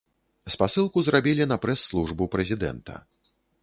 Спасылку зрабілі на прэс-службу прэзідэнта.